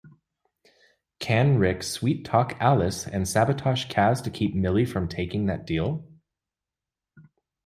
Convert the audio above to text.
Can Rick sweet-talk Alice and sabotage Kaz to keep Millie from taking that deal?